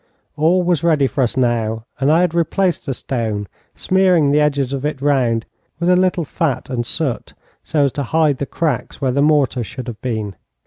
All was ready for us now, and I had replaced the stone, smearing the edges of it round with a little fat and soot, so as to hide the cracks where the mortar should have been.